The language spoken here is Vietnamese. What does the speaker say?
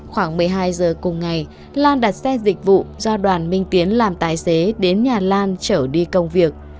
khoảng một mươi hai giờ cùng ngày lan đặt xe dịch vụ do đoàn minh tiến làm tài xế đến nhà lan trở đi công việc